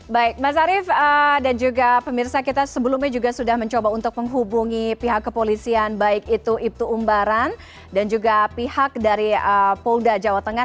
baik mas arief dan juga pemirsa kita sebelumnya juga sudah mencoba untuk menghubungi pihak kepolisian baik itu ibtu umbaran dan juga pihak dari polda jawa tengah